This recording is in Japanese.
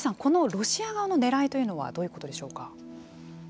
ロシア側のねらいというのはどういうことでしょうか。